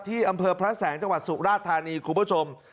อำเภอพระแสงจังหวัดสุราธานีคุณผู้ชม